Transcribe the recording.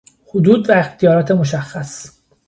حدود و اختیارات مشخص